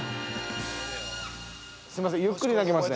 ◆すいません、ゆっくり投げますね。